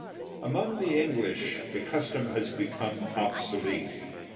Among the English the custom has become obsolete.